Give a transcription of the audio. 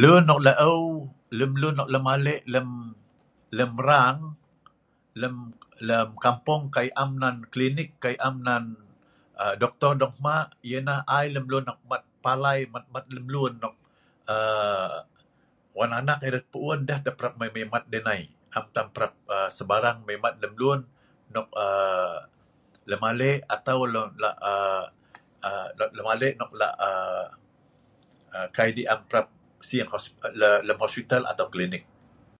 Lun nok la eu lem lun lem ale’lem rang lem kampung Kai am klinik Kai am nan doktun dong ma’ ia nah Ai lem lun nok mat palai wan anak erat pu un deh tah nok mat deh nai, am tam ma kan prap